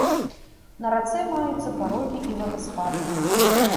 На рацэ маюцца парогі і вадаспады.